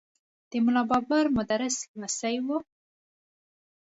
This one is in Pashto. د ملا بابړ مدرس لمسی و.